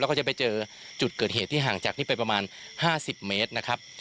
แล้วก็จะไปเจอจุดเกิดเหตุที่ห่างจากนี้ไปประมาณ๕๐เมตรนะครับ